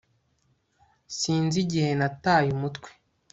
sinzi igihe nataye umutwe